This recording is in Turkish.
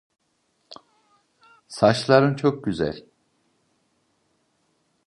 Saçların çok güzel.